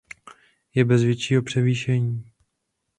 Je bez většího převýšení.